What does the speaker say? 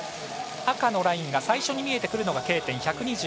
赤のラインが最初に見えてくるのがＫ点。